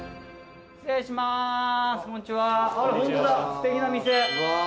すてきな店。